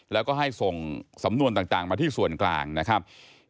แล้วก็ให้ส่งสำนวนต่างมาที่ส่วนกลางนะครับ